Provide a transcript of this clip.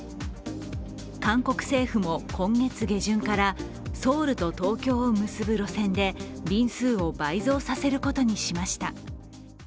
韓国政府も今月下旬からソウルと東京を結ぶ路線で便数を倍増させることにしました。